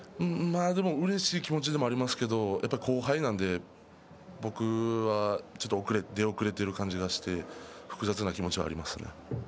うれしい気持ちもありますけれどもやっぱり後輩なんで僕はちょっと出遅れている感じがして複雑な気持ちはありますね。